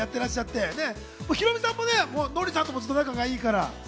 ヒロミさんもノリさんともずっと仲がいいから。